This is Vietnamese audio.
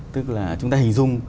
tức là chúng ta hình dung